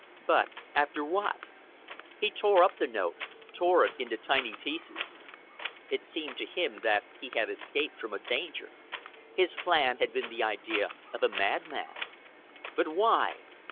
But after what? He tore up the note, tore it into tiny pieces. It seemed to him that he had escaped from a danger. His plan had been the idea of a madman. But why?